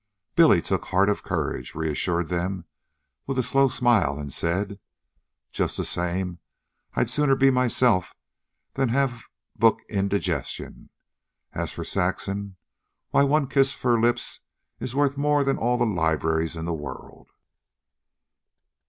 Billy took heart of courage, reassured them with a slow smile, and said: "Just the same I'd sooner be myself than have book indigestion. An' as for Saxon, why, one kiss of her lips is worth more'n all the libraries in the world."